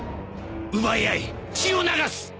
奪い合い血を流す！